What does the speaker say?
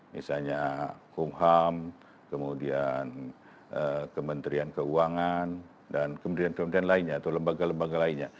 misalnya kumham kemudian kementerian keuangan dan kementerian kementerian lainnya atau lembaga lembaga lainnya